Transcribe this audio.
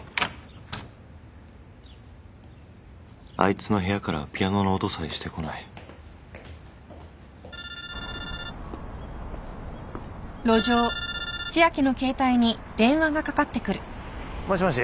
あいつの部屋からはピアノの音さえしてこないもしもし？